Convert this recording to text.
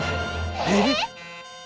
えっ？